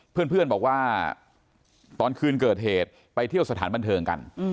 เพื่อนบอกว่าตอนคืนเกิดเหตุไปเที่ยวสถานบันเทิงกัน